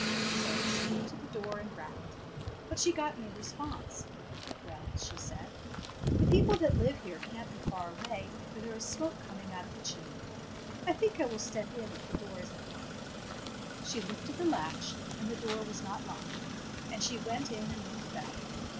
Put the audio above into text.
So she went to the door and rapped, but she got no response. "Well," she said, "the people that live 5 Fairy Tale Bears here can't be far away, for there is smoke coming out of the chimney. I think I will step in, if the door is n't locked." She lifted the latch, and the door was not locked, and she went in and looked about.